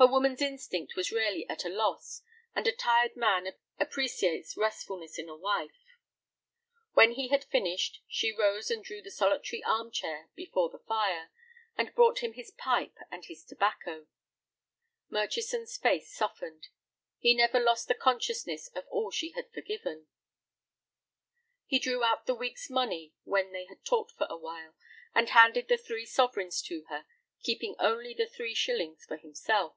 Her woman's instinct was rarely at a loss, and a tired man appreciates restfulness in a wife. When he had finished, she rose and drew the solitary arm chair before the fire, and brought him his pipe and his tobacco. Murchison's face softened. He never lost the consciousness of all she had forgiven. He drew out the week's money when they had talked for a while, and handed the three sovereigns to her, keeping only the three shillings for himself.